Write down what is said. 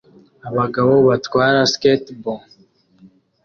Abagabo batwara skatebo